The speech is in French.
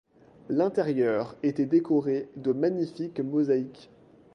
L'intérieur était décoré de magnifiques mosaïques.